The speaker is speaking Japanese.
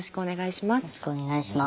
よろしくお願いします。